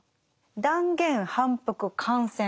断言反復感染。